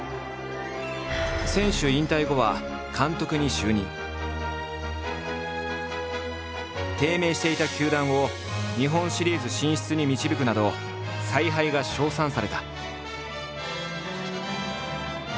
選手引退後は低迷していた球団を日本シリーズ進出に導くなど采配が称賛された。